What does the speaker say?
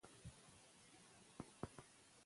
د مېلو له پاره ځيني خلک د داستان ویلو محفلونه جوړوي.